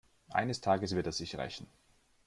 Eines Tages wird er sich rächen.